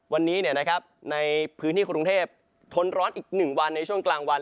วันนี้เนี่ยนะครับในพื้นที่กรุงเทพธนร้อนอีกหนึ่งวันในช่วงกลางวัน